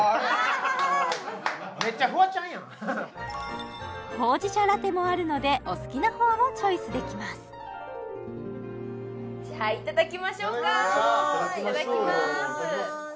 めっちゃフワちゃんやんほうじ茶ラテもあるのでお好きなほうをチョイスできますじゃあいただきましょうかいただきましょういただきます